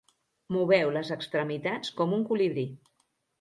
Moveu les extremitats com un colibrí.